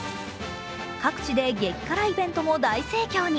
各地で激辛イベントも大盛況に。